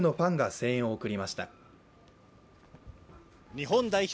日本代表